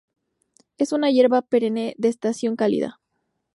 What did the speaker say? Es una hierba perenne de estación cálida.